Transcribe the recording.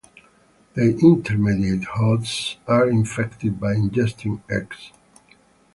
The intermediate hosts are infected by ingesting eggs.